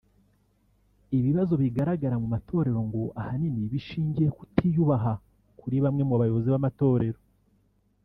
Ibibazo bigaragara mu matorero ngo ahanini bishingiye ku kutiyubaha kuri bamwe mu bayobozi b’amatorero